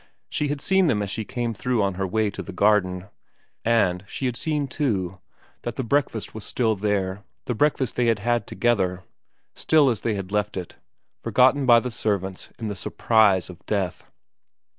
She had seen them as she came through on her way to the garden ; and she had seen, too, that the breakfast was still there, the breakfast they had had together, still as they had left it, forgotten by the servants in the surprise of death.